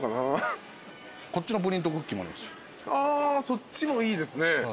そっちもいいですね。